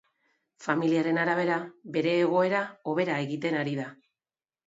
Familiaren arabera, bere egoera hobera egiten ari da.